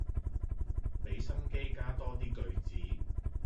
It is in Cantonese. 俾心機加多啲句子